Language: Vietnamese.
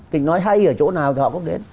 kịch nói hay ở chỗ nào thì họ cũng đến